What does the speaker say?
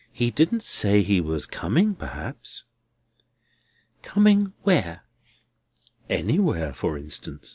"He didn't say he was coming, perhaps?" "Coming where?" "Anywhere, for instance?"